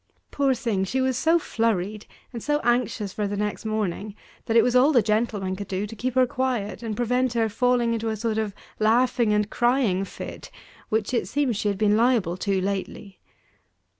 Poor thing! she was so flurried, and so anxious for the next morning, that it was all the gentleman could do to keep her quiet, and prevent her falling into a sort of laughing and crying fit, which it seems she had been liable to lately.